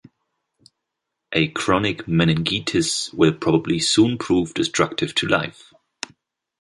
A chronic meningitis will probably soon prove destructive to life.